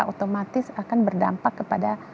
otomatis akan berdampak kepada